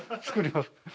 作ります。